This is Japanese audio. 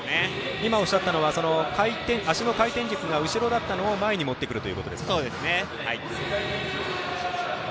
今おっしゃったのは足の回転軸が後ろだったのを前に持ってくると。